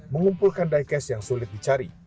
mengumpulkan diecast yang sulit dicari